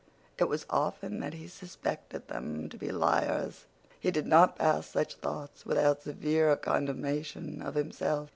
It was often that he suspected them to be liars. He did not pass such thoughts without severe condemnation of himself.